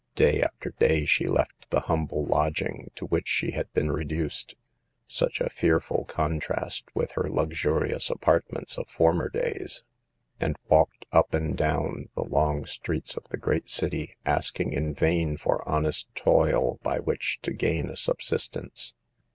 Day after day she left the humble lodging to which she had been reduced— such a fearful contrast with her luxurious apartments of former days— and walked up and down the 20 SAVE THE GIRLS. long streets of the great city, asking in vain for honest toil by which to gain a subsistence.